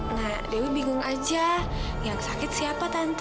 nah dewi bingung aja yang sakit siapa tante